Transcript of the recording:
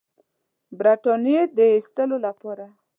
برټانیې د ایستلو لپاره.